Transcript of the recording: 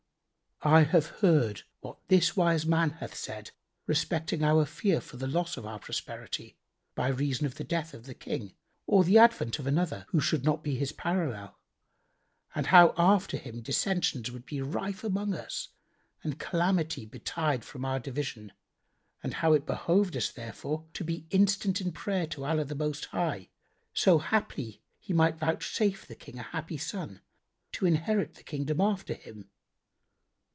I have heard what this wise man hath said respecting our fear for the loss of our prosperity, by reason of the death of the King or the advent of another who should not be his parallel, and how after him dissensions would be rife among us and calamity betide from our division and how it behoved us therefore to be instant in prayer to Allah the Most High, so haply He might vouchsafe the King a happy son to inherit the kingship after him.